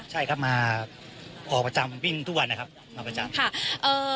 ใช่ครับมาออกประจำวิ่งทุกวันนะครับมาประจำค่ะ